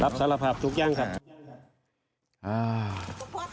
สารภาพทุกอย่างครับ